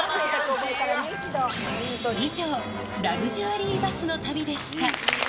以上、ラグジュアリーバスの旅でした。